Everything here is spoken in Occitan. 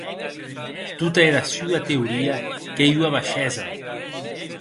Tota era sua teoria qu'ei ua baishesa!